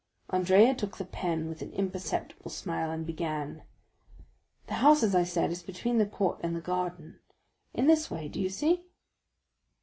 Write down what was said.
Andrea took the pen with an imperceptible smile and began. "The house, as I said, is between the court and the garden; in this way, do you see?"